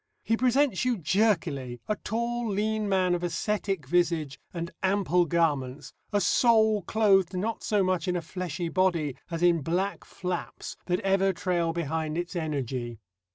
He presents you jerkily a tall lean man of ascetic visage and ample garments, a soul clothed not so much in a fleshy body as in black flaps that ever trail behind its energy.